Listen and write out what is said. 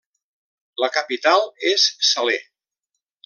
La capital és Salé.